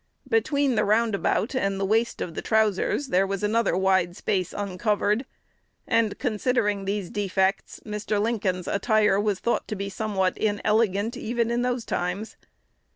Between the roundabout and the waist of the trousers, there was another wide space uncovered; and, considering these defects, Mr. Lincoln's attire was thought to be somewhat inelegant, even in those times.